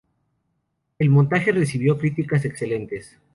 El montaje recibió críticas excelentes.